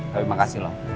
terima kasih loh